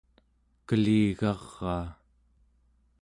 keligaraa